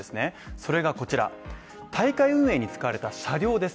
それがこちら、大会運営に使われた車両です。